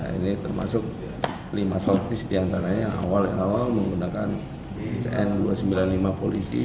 ini termasuk lima sortis diantaranya awal awal menggunakan cn dua ratus sembilan puluh lima polisi